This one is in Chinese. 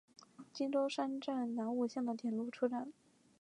津田山站南武线的铁路车站。